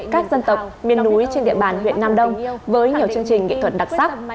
các dân tộc miền núi trên địa bàn huyện nam đông với nhiều chương trình nghệ thuật đặc sắc